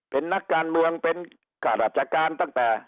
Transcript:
เป็นนักการเมืองเป็นข้าราชการตั้งแต่